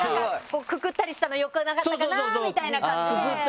くくったりしたの良くなかったかなみたいな感じで。